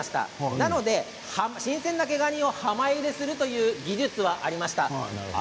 なので新鮮な毛ガニを浜ゆでするという技術がありました。